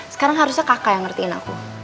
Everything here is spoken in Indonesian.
sekarang harusnya kakak yang ngertiin aku